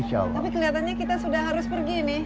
tapi kelihatannya kita sudah harus pergi nih